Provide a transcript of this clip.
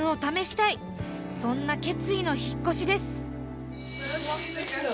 そんな決意の引っ越しです。